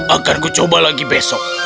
akan kucoba lagi besok